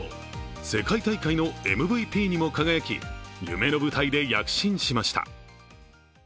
世界大会のＭＶＰにも輝き夢の舞台で躍進しました。